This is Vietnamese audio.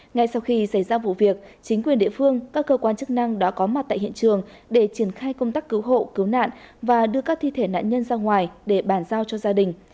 ngay sau khi xảy ra vụ việc chính quyền địa phương các cơ quan chức năng đã có mặt tại hiện trường để triển khai công tác cứu hộ cứu nạn và đưa các thi thể nạn nhân ra ngoài để bàn giao cho gia đình